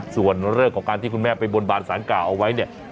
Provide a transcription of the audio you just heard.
ส่วนเรื่องของการที่คุณแม่ไปบนบานสารกล่าวเอาไว้เนี่ย